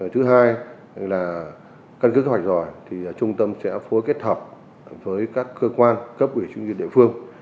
thứ hai căn cứ kế hoạch rồi trung tâm sẽ phối kết hợp với các cơ quan cấp ủy chương trình địa phương